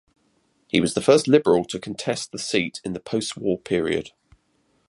He was the first Liberal to contest the seat in the post-war period.